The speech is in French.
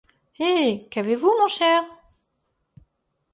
Et, qu’avez-vous, mon cher ?…